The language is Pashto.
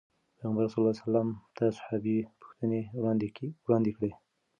پيغمبر صلي الله علیه وسلم ته صحابي پوښتنې وړاندې کړې.